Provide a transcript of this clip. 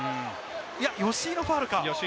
いや、吉井のファウルか？